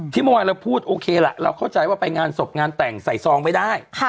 เมื่อวานเราพูดโอเคล่ะเราเข้าใจว่าไปงานศพงานแต่งใส่ซองไม่ได้